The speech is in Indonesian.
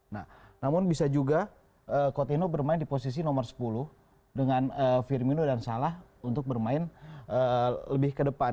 nah namun bisa juga coutinho bermain di posisi nomor sepuluh dengan firmino dan salah untuk bermain lebih ke depan